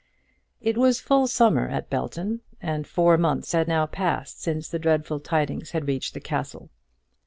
It was full summer at Belton, and four months had now passed since the dreadful tidings had reached the castle.